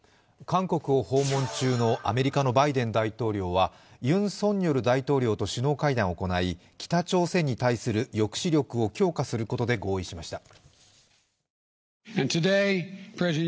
韓国を訪問中のアメリカのバイデン大統領はユン・ソンニョル大統領と首脳会談を行い、北朝鮮に対する抑止力を強化することで合意しました。